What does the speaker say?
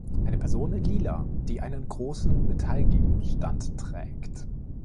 Eine Person in Lila, die einen großen Metallgegenstand trägt.